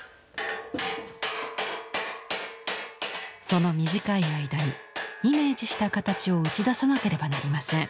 その短い間にイメージした形を打ち出さなければなりません。